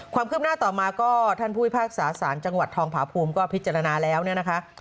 ความคืบหน้าต่อมาก็ท่านผู้พิพากษาสารจังหวัดทองผาภูมิก็พิจารณาแล้วเนี่ยนะคะ